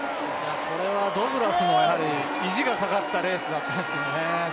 これはド・グラスの意地がかかったレースでしたね。